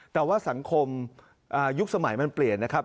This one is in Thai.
แต่ว่าสังคมยุคสมัยมันเปลี่ยนนะครับ